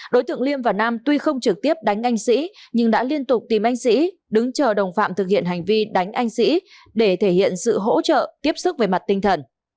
đối tượng liêm và nam tuy không trực tiếp đánh anh sĩ nhưng đã liên tục tìm anh sĩ đứng chờ đồng phạm thực hiện hành vi đánh anh sĩ để thể hiện sự hỗ trợ tiếp sức về mặt tinh thần